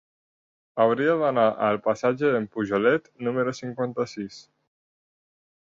Hauria d'anar al passatge d'en Pujolet número cinquanta-sis.